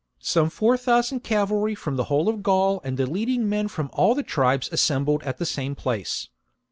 Some four thousand cavalry from the whole of Gaul and the leading men from all the tribes assembled at the same piace.